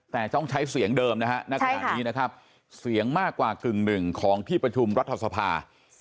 แต่ต้องใช้เสียงเดิมนะฮะณขณะนี้นะครับเสียงมากกว่ากึ่งหนึ่งของที่ประชุมรัฐสภา